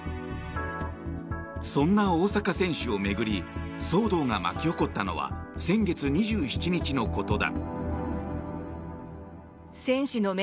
そんな大坂選手を巡り騒動が巻き起こったのは先月２７日のことだ。